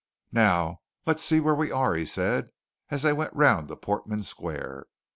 "Now, let's see where we are," he said, as they went round to Portman Square.